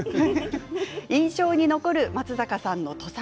印象に残る松坂さんの土佐